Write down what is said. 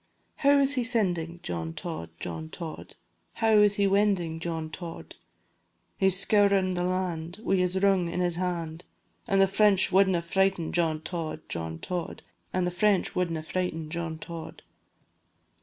How is he fendin', John Tod, John Tod? How is he wendin', John Tod? He 's scourin' the land, Wi' his rung in his hand, An' the French wadna frighten John Tod, John Tod, An' the French wadna frighten John Tod.